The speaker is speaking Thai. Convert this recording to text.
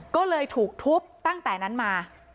ก็เลยถูกทุบตั้งแต่นั้นมา